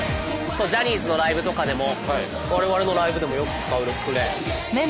ジャニーズのライブとかでも我々のライブでもよく使うクレーン。